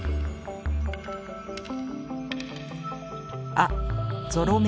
あっゾロ目。